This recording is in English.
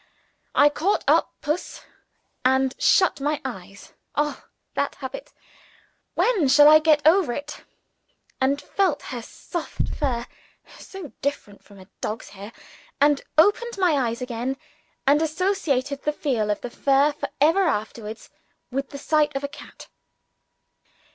I caught up puss, and shut my eyes (oh, that habit! when shall I get over it?) and felt her soft fur (so different from a dog's hair!) and opened my eyes again, and associated the feel of the fur for ever afterwards with the sight of a cat.